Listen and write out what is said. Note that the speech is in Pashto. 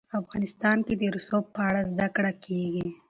افغانستان کې د رسوب په اړه زده کړه کېږي.